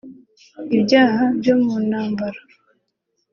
ibyaha byo mu ntambara